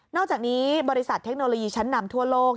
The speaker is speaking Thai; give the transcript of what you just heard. อกจากนี้บริษัทเทคโนโลยีชั้นนำทั่วโลก